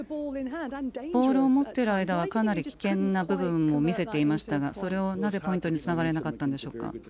ボールを持っている間はかなり危険な部分も見せていましたがそれをなぜポイントにつなげられなかったでしょうか。